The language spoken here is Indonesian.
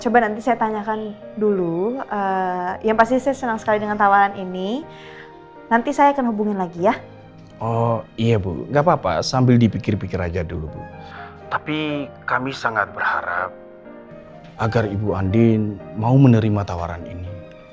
coba nanti saya tanyakan dulu yang pasti saya senang sekali dengan tawaran ini nanti saya akan hubungin lagi ya oh iya bu gak apa apa sambil dipikir pikir aja dulu bu tapi kami sangat berharap agar ibu andin mau menerima tawaran ini